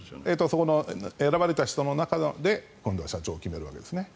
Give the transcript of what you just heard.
そこの選ばれた人の中で今度は社長を決めるわけですね。